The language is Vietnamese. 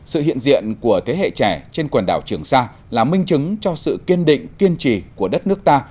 sự hiện diện của thế hệ trẻ trên quần đảo trường sa là minh chứng cho sự kiên định kiên trì của đất nước ta